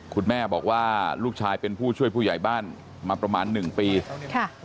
คุณแม่บอกว่าลูกชายเป็นผู้ช่วยผู้ใหญ่บ้านมาประมาณหนึ่งปีค่ะ